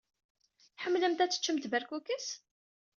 Tḥemmlemt ad teččemt berkukes?